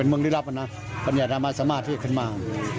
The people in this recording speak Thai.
เป็นเมืองริรับว้างนะมันอยากจะมาสมารทิศขึ้นมา